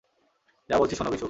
যা বলছি শোন, বিশু।